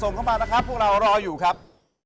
เข้ามานะครับพวกเรารออยู่ครับ